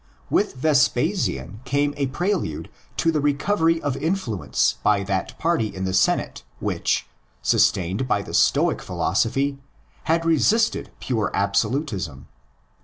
With Vespasian came a prelude to the recovery of influence by that party in the Senate which, sustained by the Stoic philosophy, had resisted pure absolutism.